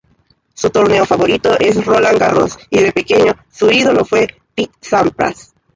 Su torneo favorito es Roland Garros y de pequeño su ídolo fue Pete Sampras.